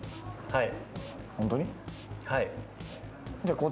はい。